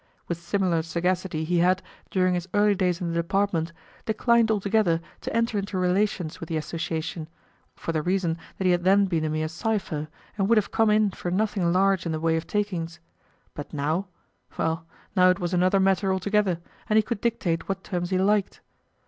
With similar sagacity he had, during his early days in the department, declined altogether to enter into relations with the association, for the reason that he had then been a mere cipher, and would have come in for nothing large in the way of takings; but now well, now it was another matter altogether, and he could dictate what terms he liked.